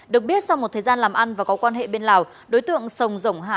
được biết sau một thời gian làm ăn và có quan hệ bên lào đối tượng sồng rồng hả